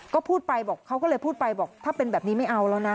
เขาก็เลยพูดไปบอกถ้าเป็นแบบนี้ไม่เอาแล้วนะ